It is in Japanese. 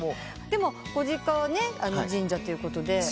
でもご実家は神社ということで。